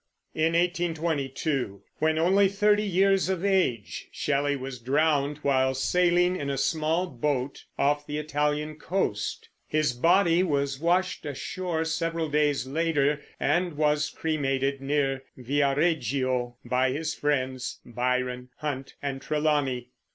In 1822, when only thirty years of age, Shelley was drowned while sailing in a small boat off the Italian coast. His body was washed ashore several days later, and was cremated, near Viareggio, by his friends, Byron, Hunt, and Trelawney.